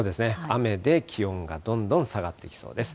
雨で気温がどんどん下がってきそうです。